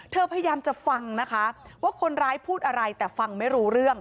พยายามจะฟังนะคะว่าคนร้ายพูดอะไรแต่ฟังไม่รู้เรื่อง